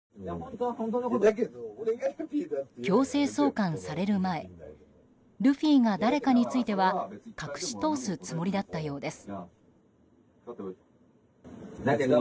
強制送還される前ルフィが誰かについては隠し通すつもりだったようです。